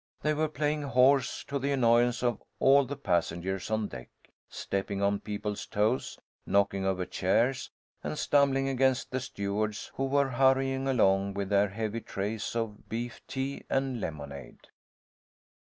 They were playing horse, to the annoyance of all the passengers on deck, stepping on people's toes, knocking over chairs, and stumbling against the stewards who were hurrying along with their heavy trays of beef tea and lemonade.